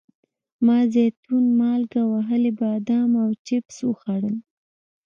ما زیتون، مالګه وهلي بادام او چپس وخوړل.